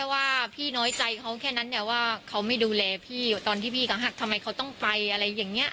ว่าพี่น้อยใจเขาแค่นั้นเนี่ยว่าเขาไม่ดูแลพี่ตอนที่พี่ก็หักทำไมเขาต้องไปอะไรอย่างนี้